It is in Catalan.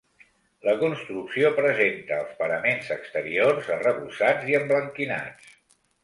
La construcció presenta els paraments exteriors arrebossats i emblanquinats.